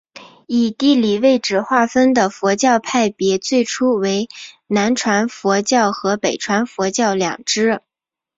以地理位置划分的佛教派别最初为南传佛教和北传佛教两支。